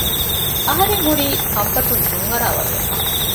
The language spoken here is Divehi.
އަހަރެންހުރީ ކަންފަތުން ދުން އަރާވަރު ވެފަ